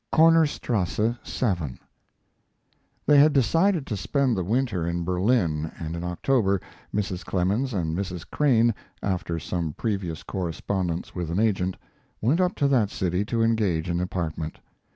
KORNERSTRASSE,7 They had decided to spend the winter in Berlin, and in October Mrs. Clemens and Mrs. Crane, after some previous correspondence with an agent, went up to that city to engage an apartment.